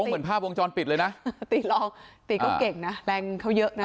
เหมือนภาพวงจรปิดเลยนะตีลองตีก็เก่งนะแรงเขาเยอะนะ